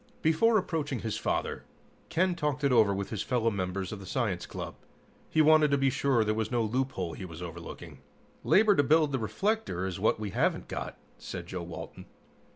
Before approaching his father, Ken talked it over with his fellow members of the science club. He wanted to be sure there was no loophole he was overlooking. "Labor to build the reflector is what we haven't got," said Joe Walton.